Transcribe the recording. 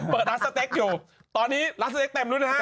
เปิดรัสสเต็กต์อยู่ตอนนี้รัสสเต็กต์เต็มรุ้นนะฮะ